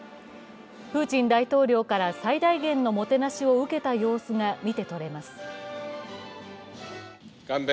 プーチン大統領から最大限のもてなしを受けた様子が見てとれます。